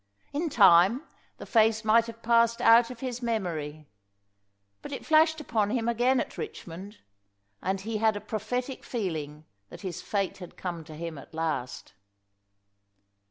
In time the face might have passed out of his memory, but it flashed upon him again at Richmond, and he had a prophetic feeling that his fate had come to him at last.